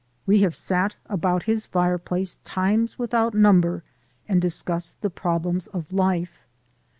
We have sat about his fireplace times without number and discussed the problems of life.